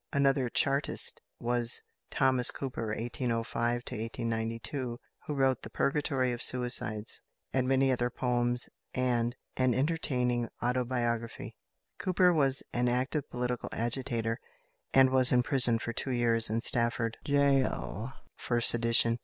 Another Chartist was =Thomas Cooper (1805 1892)=, who wrote "The Purgatory of Suicides" and many other poems and an entertaining autobiography. Cooper was an active political agitator, and was imprisoned for two years in Stafford gaol for sedition.